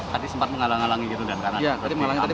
tadi sempat menghalang halangi gitu